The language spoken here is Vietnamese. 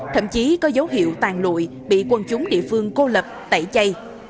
thậm chí có dấu hiệu tàn lụi bị quân chúng địa phương cô lập tẩy chay